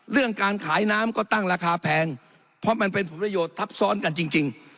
เรื่องการขายน้ำก็ตั้งราคาแพงเพราะมันเป็นผลประโยชน์ทับซ้อนกันจริง